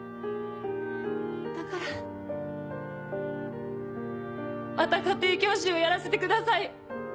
だからまた家庭教師をやらせてください。